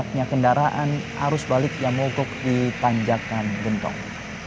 banyaknya kendaraan arus balik yang mogok di tanjakan gentong